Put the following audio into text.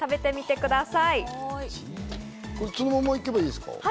これ、そのまま行けばいいですか？